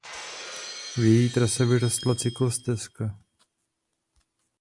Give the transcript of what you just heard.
V její trase vyrostla cyklostezka.